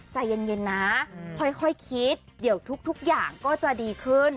ใจเย็นนะค่อยคิดเดี๋ยวทุกอย่างก็จะดีขึ้น